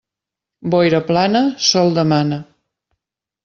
Boira plana, sol demana.